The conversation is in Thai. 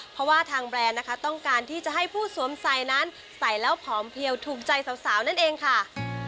เพราะว่าทางแบรนด์นะคะต้องการที่จะให้ผู้สวมใส่นั้นใส่แล้วผอมเพียวถูกใจสาวนั่นเองค่ะ